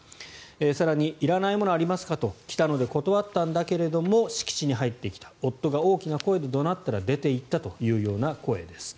更に、いらないものはありますかと来たので断ったんだけれども敷地に入ってきた夫が大きな声で怒鳴ったら出ていったというような声です。